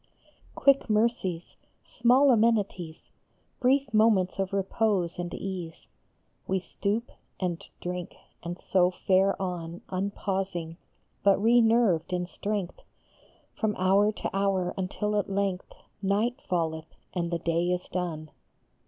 Quick mercies, small amenities, Brief moments of repose and ease, We stoop, and drink, and so fare on, Unpausing, but re nerved in strength From hour to hour, until at length Night falleth, and the day is done.